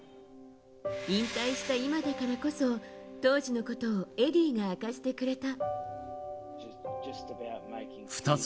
引退した今だからこそ当時のことをエディーが明かしてくれた。